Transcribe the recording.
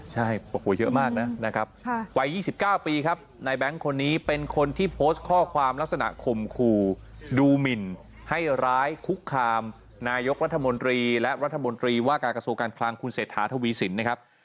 ใช่โอ้โหเยอะมากนะนะครับวัย๒๙ปีครับนายแบงค์คนนี้เป็นคนที่โพสต์ข้อความลักษณะข่มขู่ดูหมินให้ร้ายคุกคามนายกรัฐมนตรีและรัฐมนตรีว่าการกระทรวงการคลังคุณเศรษฐาทวีสินนะครับ